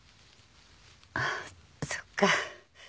あそっか。